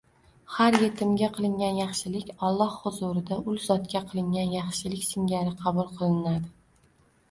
har yetimga qilingan yaxshilik Alloh huzurida ul zotga qilingan yaxshilik singari qabul qilinadi.